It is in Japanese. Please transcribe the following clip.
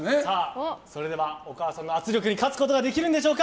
それではお母さんの圧力に勝つことができるんでしょうか。